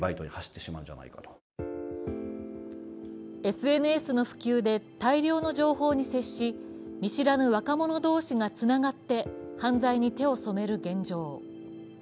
ＳＮＳの普及で大量の情報に接し見知らぬ若者同士がつながって犯罪に手を染める現状。